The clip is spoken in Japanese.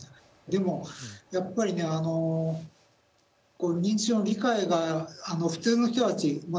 でもやっぱりねこう認知症の理解が普通の人たちま